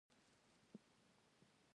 چارواکي په بنډارونو کښې شراب چښي.